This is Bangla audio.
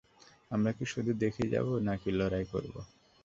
আমরা কি শুধু দেখেই যাব নাকি লড়াই করব?